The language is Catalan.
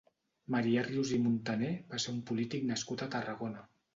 Marià Rius i Montaner va ser un polític nascut a Tarragona.